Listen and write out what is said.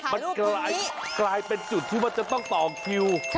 มันกลายเป็นจุดที่ว่าจะต้องต่อคิว